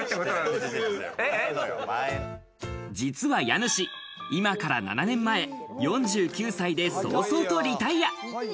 実は家主、今から７年前、４９歳で早々とリタイア。